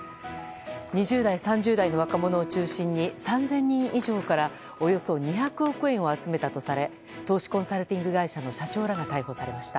２０代、３０代の若者を中心に３０００人以上からおよそ２００億円を集めたとされ投資コンサルティング会社の社長らが逮捕されました。